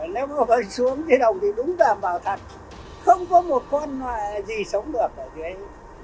nếu nó vơi xuống cái đồng thì đúng đảm bảo thật không có một con gì sống được ở dưới ấy